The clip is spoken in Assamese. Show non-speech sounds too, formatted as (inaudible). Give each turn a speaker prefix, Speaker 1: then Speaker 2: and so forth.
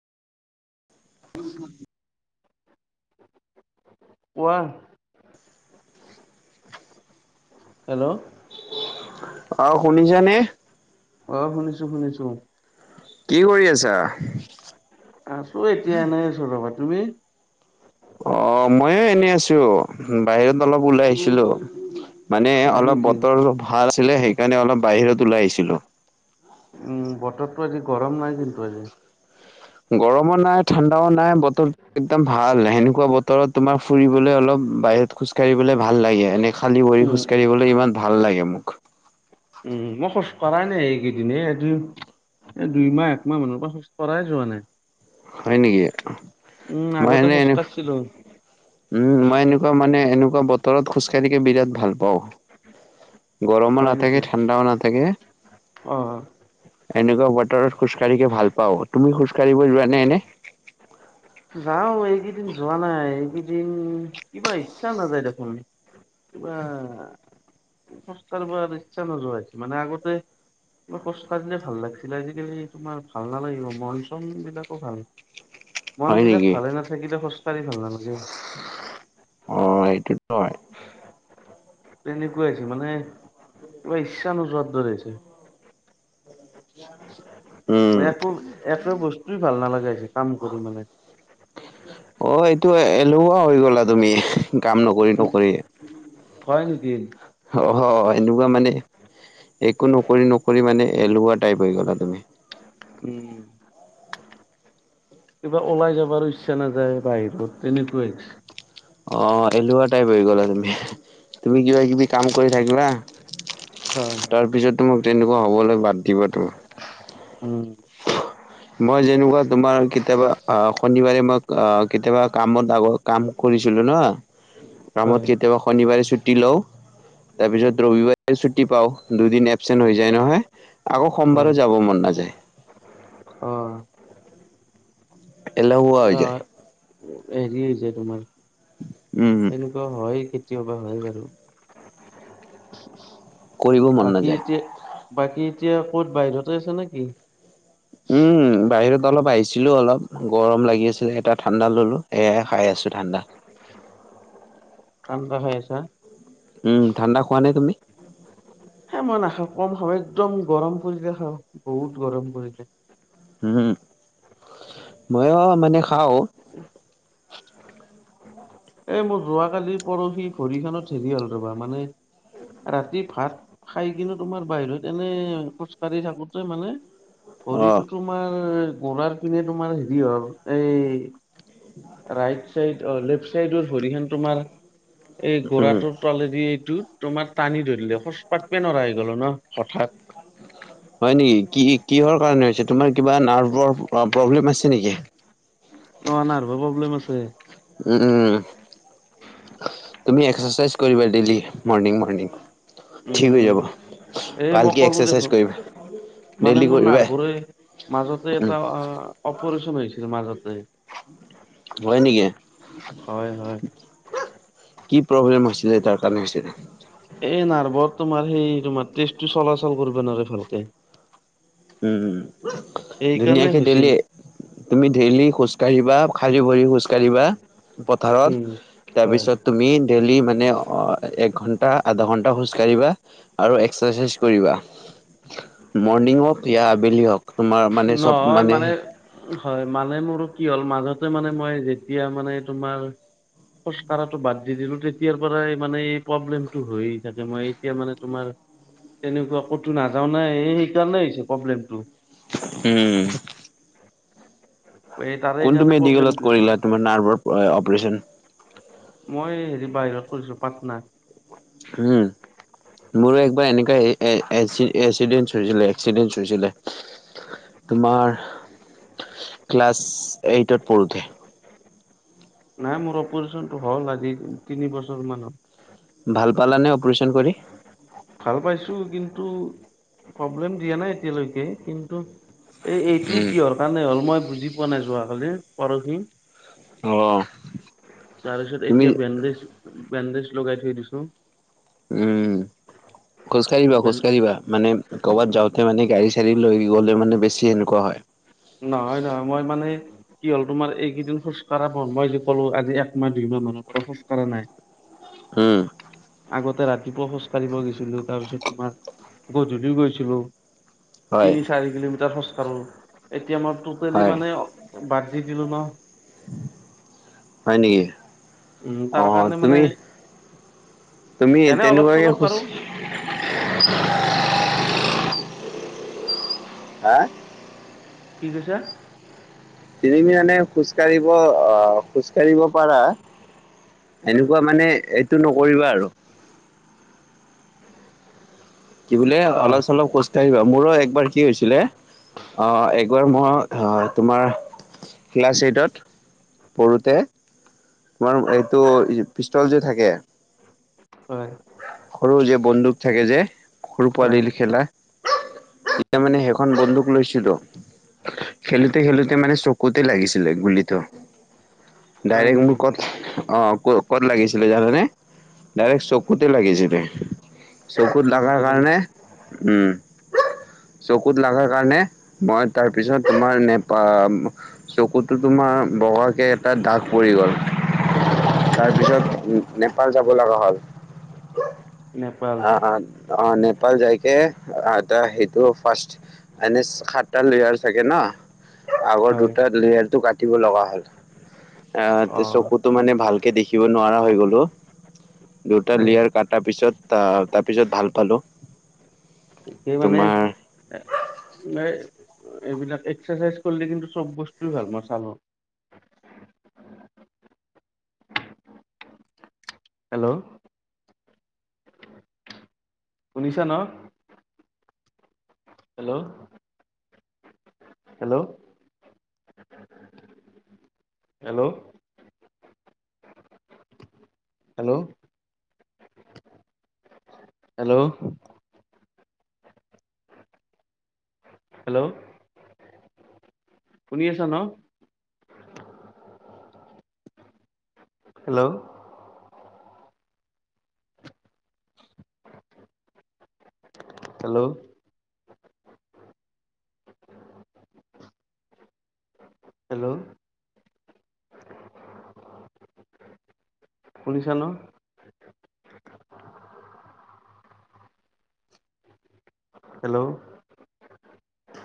Speaker 1: (inaudible)
Speaker 2: কোৱা? হেল্ল'।
Speaker 1: অ শুনিছানে?
Speaker 2: অ শুনিছো শুনিছো।
Speaker 1: কি কৰি আছা?
Speaker 2: আছো এতিয়া এনেই আছো ৰ'বা, তুমি?
Speaker 1: অ মইও এনে আছো বাহিৰত অলপ ওলাই আহিছিলো। মানে
Speaker 2: হয়
Speaker 1: অলপ
Speaker 2: নেকি
Speaker 1: বতৰ ভাল আছিলে সেইকাৰণে অলপ বাহিৰত ওলাই আহিছিলো।
Speaker 2: উম বতৰটো আজি গৰম নাই কিন্তু আজি।
Speaker 1: গৰমো নাই ঠাণ্ডাও নাই বতৰ একদম ভাল সেনেকুৱা বতৰত তোমাৰ ফুৰিবলৈ অলপ বাহিৰত- খোজকাঢ়িবলৈ ভাল লাগে এনেই খালী ভৰি
Speaker 2: উম
Speaker 1: খোজকাঢ়িবলৈ ইমান ভাল লাগে মোক।
Speaker 2: উম মই খোজ কঢ়াই নাই এইকেইদিন সেই এদিন, দুইমাহ একমাহ মানৰ পৰা খোজ কাঢ়িৰিবৈ যোৱা নাই।
Speaker 1: হয় নেকি
Speaker 2: উম
Speaker 1: মই
Speaker 2: আগতে
Speaker 1: এনে
Speaker 2: খোজ
Speaker 1: এনে
Speaker 2: কাঢ়িছিলো।
Speaker 1: উম মই এনেকুৱা মানে এনেকুৱা বতৰত খোজ কাঢ়িকেই বিৰাট ভাল পাওঁ। গৰমো
Speaker 2: হয় নেকি
Speaker 1: নাথাকে ঠাণ্ডাও নাথাকে।
Speaker 2: অ
Speaker 1: এনেকুৱা বতৰত খোজকাঢ়িকে ভাল পাওঁ, তুমি খোজ কাঢ়িব যোৱা নে এনে?
Speaker 2: যাওঁ এইকেইদিন যোৱা নাই এইকেইদিন কিবা ইচ্ছা নাযায় দেখোন। কিবা খোজকাঢ়িবলৈ বা ইচ্ছা নাযায় মানে আগতে- খোজ কাঢ়িলে ভাল লাগিছিলে আজিকালি তোমাৰ ভাল নালাগিব মন চন বিলাকো ভাল- মন
Speaker 1: হয়
Speaker 2: বিলাক
Speaker 1: নেকি
Speaker 2: ভালে নাথাকিলে খোজ কাঢ়ি ভালে নালাগে।
Speaker 1: অ এইটো হয়।
Speaker 2: তেনেকুৱা হৈছে মানে, কিবা ইচ্ছা নোযোৱোৰ হৈছে।
Speaker 1: (unintelligible)
Speaker 2: একো একো বস্তুয়েই ভাল নলগা হৈছে কাম কৰি মানে।
Speaker 1: অ' এইটো এলেহুৱা হৈ গ'লা তুমি কাম নকৰি
Speaker 2: উ
Speaker 1: নকৰি।
Speaker 2: হয় নেকি?
Speaker 1: হয় হয় এনেকুৱা মানে- একো নকৰি নকৰি মানে এলেহুৱা টাইপ হৈ গ'লা তুমি।
Speaker 2: উম। কিবা ওলাই যাবৰো ইচ্ছা নাযায় বাহিৰত তেনেকুৱা হৈছে।
Speaker 1: অ' এলোহুৱা টাইপ হৈ গ'লা তুমি, তুমি কিবা কিবি কাম কৰি থাকিবা।
Speaker 2: হয়।
Speaker 1: তাৰ পিছত তোমাক তেনেকুৱা হ'বলৈ বাদ দিবা তুমি।
Speaker 2: উম।
Speaker 1: মই যেনেকুৱা তোমাৰ কেতিয়াবা অ শনিবাৰে মই কেতিয়াবা কামত লাগো। কাম কৰিছিলো ন,
Speaker 2: হয়
Speaker 1: কামত কেতিয়াবা শনিবাৰে ছুটি লওঁ। তাৰপিছত ৰবিবাৰে ছুটি পাওঁ দুদিন এবচেন্ট হৈ যায় নহয়। আকৌ
Speaker 2: হয়
Speaker 1: সোমবাৰো যাব মন নাযায়।
Speaker 2: অ
Speaker 1: এলেহুৱা হৈ
Speaker 2: অ
Speaker 1: যায়।
Speaker 2: হেৰি হৈছে তোমাৰ
Speaker 1: উম।
Speaker 2: এনেকুৱা হয়, কেতিয়াবা হয় বাৰু।
Speaker 1: কৰিব মন
Speaker 2: বাকী
Speaker 1: নাযায়।
Speaker 2: এতিয়া বাকী এতিয়া ক'ত? বাহিৰতে আছা নেকি?
Speaker 1: উম। বাহিৰত অলপ আহিছিলোঁ অলপ। গৰম লাগি আছিলে এইয়া ঠাণ্ডা ল'লোঁ। এয়াই খাই আছোঁ ঠাণ্ডা।
Speaker 2: ঠান্দা হৈ আছা?
Speaker 1: উম। ঠাণ্ডা খোৱা নে তুমি?
Speaker 2: এই মই নাখাওঁ কম খাওঁ। একদম গৰম পৰিলে খাওঁ। বহুত গৰম পৰিছে।
Speaker 1: ওহো। মইয়ো মানে খাওঁ।
Speaker 2: এ মোৰ যোৱা কালি পৰহি ভৰিখনত হেৰি হ'ল ৰবা। মানে ৰাতি ভাত খাই কিন্তু তোমাৰ বাহিৰত এনে খোজকাঢ়ি থাকোতেই মানে
Speaker 1: অ
Speaker 2: ভৰিটো তোমাৰ গৰুহাৰ পিনে তোমাৰ হেৰি হ'ল। এই ৰাইট চাইড অ' লেফট চাইডৰ ভৰিখন তোমাৰ এই
Speaker 1: উম।
Speaker 2: গৰুহাটোৰ তলেদি এইটো তোমাৰ টানি ধৰিলে। খোজ কাঢ়িব নোৱাৰা হৈ গলো ন হঠাৎ
Speaker 1: (unintelligible) হয় নেকি? কি কিহৰ কাৰণে হৈছে, তোমাৰ কিবা নাৰ্ভৰ প্ৰ প্ৰব্লেম আছে নেকি?
Speaker 2: অ' নাৰ্ভৰ প্ৰব্লেম আছে।
Speaker 1: উম। তুমি এক্সাৰচাইজ কৰিবা ডেইলি মৰ্ণিং মৰ্ণিং। ঠিক হৈ
Speaker 2: উম
Speaker 1: যাব।
Speaker 2: এই মই
Speaker 1: ভালকৈ
Speaker 2: ক'লো
Speaker 1: এক্সাৰচাইজ
Speaker 2: দেখোন
Speaker 1: কৰিবা।
Speaker 2: মানে
Speaker 1: ডেইলি
Speaker 2: মোৰ
Speaker 1: কৰিবা
Speaker 2: নাৰ্ভৰে মাজতে এটা অ' অপাৰেচন হৈছিল মাজতে।
Speaker 1: হয় নেকি?
Speaker 2: হয় হয়।
Speaker 1: কি প্ৰব্লেম হৈছিলে, যাৰ কাৰণে হৈছিলে?
Speaker 2: এই নাৰ্ভৰ তোমাৰ সেই তোমাৰ তেজটো চলাচল কৰিবা নোৱাৰে ভালকে।
Speaker 1: উম।
Speaker 2: এইকাৰণে
Speaker 1: ধুনীয়াকৈ
Speaker 2: হৈছিল
Speaker 1: দেইলি তুমি ডেইলি খোজ কাঢ়িবা। খালি ভৰি খোজ কঢ়িবা পথাৰত।
Speaker 2: উম হয়
Speaker 1: তাৰপিছত তুমি ডেইলি মানে এক ঘণ্টা, আধা ঘণ্টা খোজ কাঢ়িবা আৰু এক্সাৰচাইজ কৰিবা। মৰ্নিং হওঁক বা আবেলি হওঁক। তোমাৰ মানে চব মানে
Speaker 2: হয় মানে মোৰও কি হ'ল? মাজতে মানে মই যেতিয়া মানে তোমাৰ খোজ কাঢ়াটো বাদ দি দিলো তেতিয়াৰ পৰাই মানে এই প্ৰব্লেমটো হৈয়ে থাকে। মই এতিয়া মানে তোমাৰ তেনেকুৱা। ক'তো নাযাওঁ না, এই সেইকাৰণে হৈছে প্ৰব্লেমটো।
Speaker 1: উম।
Speaker 2: এই তাৰে
Speaker 1: কোনটো
Speaker 2: কাৰণে প্ৰব্লেমটো
Speaker 1: মেডিকেলত
Speaker 2: হৈছে।
Speaker 1: কৰিলা তোমাৰ নাৰ্ভৰ অপাৰচন।
Speaker 2: মই হেৰি বাহিৰত কৰিছো পাটন।
Speaker 1: হম। মোৰো একবাৰ এনেকুৱা (unintelligible) হৈছিলে এক্সিডেন্ হৈছিলে। তোমাৰ ক্লাছ এইটত পঢ়োতে।
Speaker 2: নাই মোৰ অপাৰেচন টো হ'ল আজি তিনি বছৰ মানত।
Speaker 1: ভাল পালানে অপাৰেচন কৰি।
Speaker 2: ভাল পাইছো কিন্তু প্ৰব্লেম দিয়া নাই এতিয়ালৈকে কিন্তু এই এইটো
Speaker 1: উম।
Speaker 2: কিহৰ কাৰণে হ'ল? মই বুজি পোৱা নাই যোৱাকালি পৰহি
Speaker 1: অ',
Speaker 2: তাৰপিছত
Speaker 1: তুমি
Speaker 2: এতিয়া বেণ্ডেজ বেণ্ডেজ লগাই থৈ দিছো।
Speaker 1: উম। খোজ কঢ়িবা
Speaker 2: বেন
Speaker 1: খোজ কঢ়িবা মানে ক'ৰবাত যাওঁতে মানে গাড়ী চাড়ী লৈ গ'লে মানে বেছি সেনেকুৱা হয়।
Speaker 2: নহয় নহয় মই মানে কি হ'ল তোমাৰ এইকেইদিন খোজ কঢ়া মই যে ক'লো আজি একমাহ, দুই মাহ মানৰ পৰা খোজ কঢ়া নাই
Speaker 1: উম
Speaker 2: আগতে ৰাতিপুৱা খোজ কাঢ়িব গৈছিলো তাৰ পিছত তোমাৰ গধূলিও গৈছিলো
Speaker 1: হয়,
Speaker 2: তিনি চাৰি কিলোমিটাৰ খোজ কাঢ়ো এতিয়া মই টটেলি
Speaker 1: হয়,
Speaker 2: মানে বাদ দি দিলো ন
Speaker 1: হয় নেকি?
Speaker 2: উম তাৰ
Speaker 1: অ',
Speaker 2: কাৰণে মানে
Speaker 1: তুমি তুমি
Speaker 2: এনে অলপ
Speaker 1: তেনেকুৱাকে
Speaker 2: চলপ
Speaker 1: খোজ
Speaker 2: কাঢ়ো
Speaker 1: হা
Speaker 2: কি কৈছা
Speaker 1: তুমি মানে খোজ কাঢ়িব আহ খোজ কাঢ়িব পাৰা এনেকুৱা মানে এইটো নকৰিবা আৰু
Speaker 2: (unintelligible)
Speaker 1: কি বোলে
Speaker 2: অ',
Speaker 1: অলপ চলপ খুজ বা মোৰো একবাৰ কি হৈছিলে অ একবাৰ মই অ তোমাৰ ক্লাছ এইটত পঢ়োতে তোমাৰ এইটো পিষ্টল যে থাকে
Speaker 2: হয়
Speaker 1: সৰু যে বন্দুক থাকে যে সৰু
Speaker 2: হয়,
Speaker 1: পোৱালি খেলা তেতিয়া মানে সেইখন বন্দুক লৈছিলো খেলোতে খেলোতে মানে চকুতে লাগিছিলে গুলিটো
Speaker 2: হয়
Speaker 1: ডাইৰেক্ট
Speaker 2: নেকি?
Speaker 1: মোৰ ক'ত অ' ক'ত লাগিছিল জানানে চকোতে লাগিছিল দে চকুত লগাৰ
Speaker 2: যে
Speaker 1: কাৰণে
Speaker 2: লাগিছে,
Speaker 1: উম চকুত লাগাৰ কাৰণে মই তাৰ পিছত তোমাৰ নেপা চকুতো তোমাৰ বগাকে এটা দাগ পৰি গ'ল
Speaker 2: হয়,
Speaker 1: তাৰপিছত নেপাল যাব লগা হ'ল
Speaker 2: নেপাল,
Speaker 1: আহ অ নেপাল যাইকে এ সেইটো ফাষ্ট এনে সাতটা লেয়াৰ থাকে ন আগৰ
Speaker 2: হয়,
Speaker 1: দুটা লেয়াৰটো কাটিব লগা হ'ল এ
Speaker 2: অ',
Speaker 1: চকুত তটো মানে ভালকে দেখিব নোৱাৰা হৈ গ'লো দুটা
Speaker 2: হয়,
Speaker 1: লেয়াৰ কটাৰ পিছত তাৰপিছত ভাল পালোঁ
Speaker 2: সেই মানে এ এইবিলাক এক্সাৰচাইজ কৰিলে কিন্তু চব বস্তু ভাল মই চালো হেল্ল' শুনিছা ন hello hello hello hello hello hello, শুনি আছা ন হেল্ল হেল্ল হেল্ল'? শুনিছা ন? হেল্ল'?